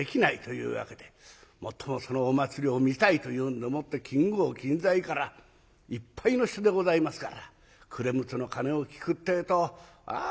もっともそのお祭りを見たいというんでもって近郷近在からいっぱいの人でございますから暮れ六つの鐘を聞くってえとあ船場はしまい